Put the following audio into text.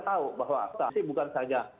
tahu bahwa saksi bukan saja